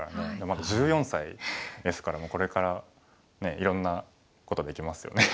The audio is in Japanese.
まだ１４歳ですからもうこれからねいろんなことできますよね。